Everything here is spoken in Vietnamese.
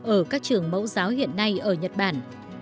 ở các trường mẫu giáo hiện nay ở nhật bản